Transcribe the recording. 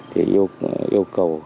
thì yêu cầu